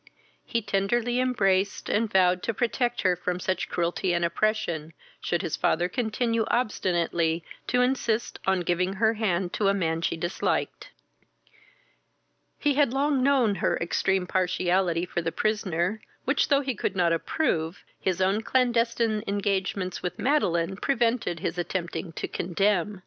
He tenderly embraced, and vowed to protect her from such cruelty and oppression, should his father continue obstinately to insist on her giving her hand to a man she disliked. He had long known her extreme partiality for the prisoner, which, though he could not approve, his own clandestine engagements with Madeline prevented his attempting to condemn.